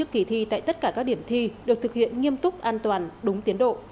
kỳ thi tại tất cả các điểm thi được thực hiện nghiêm túc an toàn đúng tiến độ